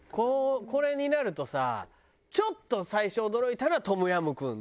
これになるとさちょっと最初驚いたのはトムヤムクンだよね。